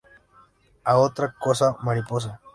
A otra cosa, mariposa